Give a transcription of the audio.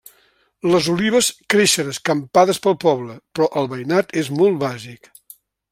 Les olives creixen escampades pel poble, però el veïnat és molt bàsic.